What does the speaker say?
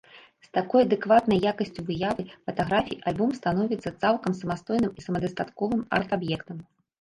З такой адэкватнай якасцю выявы фатаграфій альбом становіцца цалкам самастойным і самадастатковым арт-аб'ектам.